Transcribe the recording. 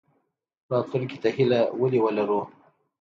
راتلونکي ته هیله ولې ولرو؟